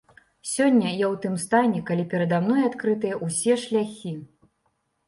Сёння я ў тым стане, калі перада мной адкрытыя ўсе шляхі.